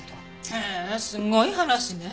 へえすごい話ね。